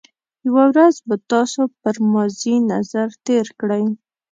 یو ورځ به تاسو پر ماضي نظر تېر کړئ.